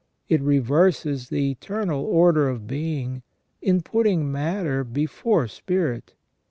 It reverses the eternal order of being in putting matter before spirit.